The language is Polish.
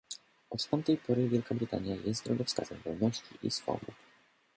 Od tamtej pory Wielka Brytania jest drogowskazem wolności i swobód